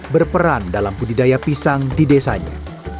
berperan dalam budidaya pisang di desanya